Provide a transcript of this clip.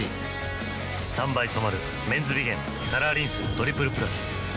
３倍染まる「メンズビゲンカラーリンストリプルプラス」